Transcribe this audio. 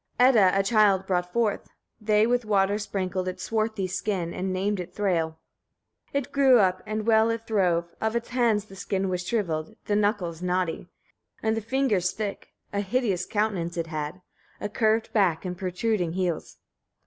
7. Edda a child brought forth: they with water sprinkled its swarthy skin, and named it Thræl. 8. It grew up, and well it throve; of its hands the skin was shriveled, the knuckles knotty, and the fingers thick; a hideous countenance it had, a curved back, and protruding heels.